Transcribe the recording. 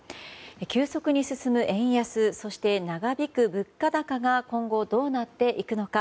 急速に進む円安そして長引く物価高が今後どうなっていくのか。